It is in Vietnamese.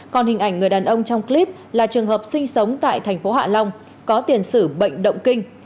còn hình ảnh người đàn ông trong clip là trường hợp sinh sống tại thành phố hạ long có tiền sử bệnh động kinh